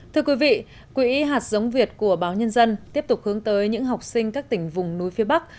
thưa quý vị quỹ hạt giống việt của báo nhân dân tiếp tục hướng tới những học sinh các tỉnh vùng núi phía bắc